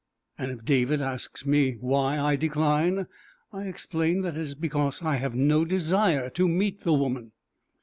And if David asks why I decline, I explain that it is because I have no desire to meet the woman.